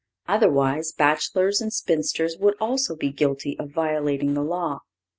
Otherwise, bachelors and spinsters would also be guilty of violating the law.